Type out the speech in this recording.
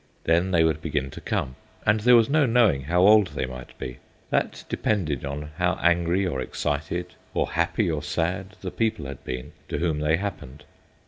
Then they would begin to come, and there was no knowing how old they might be; that depended on how angry or excited or happy or sad the people had been to whom they happened.